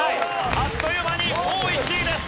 あっという間にもう１位です。